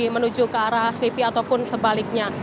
menuju ke arah selipi ataupun sebaliknya